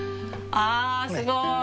あすごい。